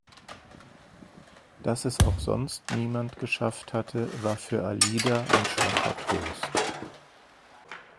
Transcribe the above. Dass es auch sonst niemand geschafft hatte, war für Alida ein schwacher Trost.